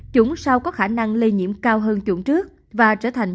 chủng sau có khả năng lây nhiễm cao hơn chủng trước và trở thành chủng